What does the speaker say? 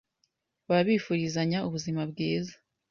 baba bifurizanya ubuzima bwiza